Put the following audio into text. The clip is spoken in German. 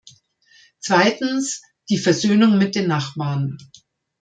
Zweitens, die Versöhnung mit den Nachbarn.